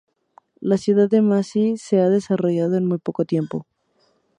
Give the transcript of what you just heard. La ciudad de Massy se ha desarrollado en muy poco tiempo.